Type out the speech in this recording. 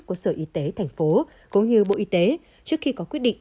của sở y tế thành phố cũng như bộ y tế trước khi có quyết định